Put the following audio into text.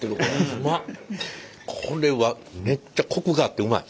これはめっちゃコクがあってうまい。